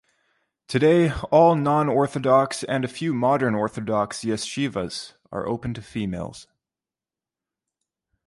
Today, all non-Orthodox and a few Modern Orthodox yeshivas are open to females.